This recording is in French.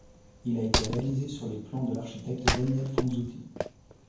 Il a été réalisé sur les plans de l’architecte Daniel Fanzutti.